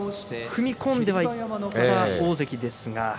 踏み込んでいった大関ですが。